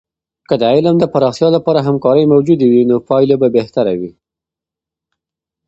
که د علم د پراختیا لپاره همکارۍ موجودې وي، نو پایلې به بهتره وي.